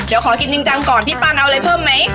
เดี๋ยวขอกินจริงจังก่อนพี่ปันเอาอะไรเพิ่มไหม